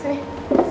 duduk aja yuk